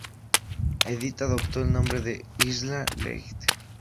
Edith adoptó el nombre de Isla Leigh.